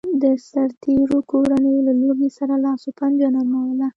د سرتېرو کورنیو له لوږې سره لاس و پنجه نرموله